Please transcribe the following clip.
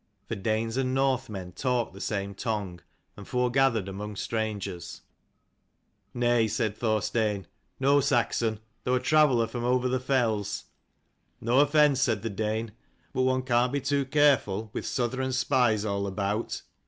For Danes and Northmen talked the same tongue, and fore gathered among strangers. "Nay," said Thorstein, "no Saxon, though a traveller from over the fells." " No offence," said the Dane :" but one can't be too careful, with Southron spies all about.